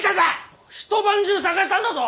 一晩中捜したんだぞ！